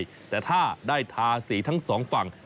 ฐานีรถไฟแต่ถ้าได้ทาสีทั้งสองฝั่ง